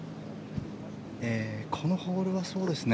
このホールはそうですね。